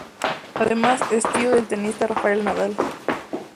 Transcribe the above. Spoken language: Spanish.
Además, es tío del tenista Rafael Nadal.